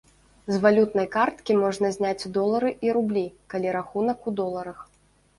З валютнай карткі можна зняць долары і рублі, калі рахунак у доларах.